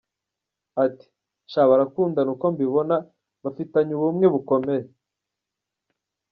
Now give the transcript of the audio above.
Ati « Sha barakundana uko mbibona, bafitanye ubumwe bukomeye.